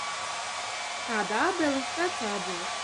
Kāda ābele, tāds ābols.